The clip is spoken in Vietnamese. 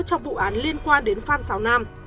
trong vụ án liên quan đến phan xáo nam